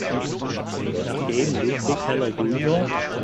Nachdem Ludwig Heller jun.